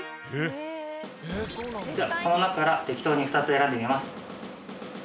この中から適当に２つ選んでみます。